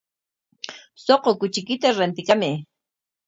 Suqu kuchiykita rantikamay.